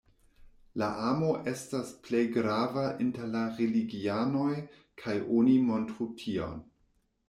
La amo estas plej grava inter la religianoj kaj oni montru tion.